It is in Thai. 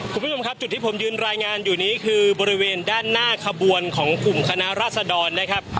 คุณผู้ชมครับจุดที่ผมยืนรายงานอยู่นี้คือบริเวณด้านหน้าขบวนของกลุ่มคณะราษดรนะครับ